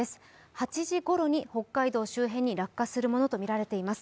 ８時ごろに北海道周辺に落下するものとみられています。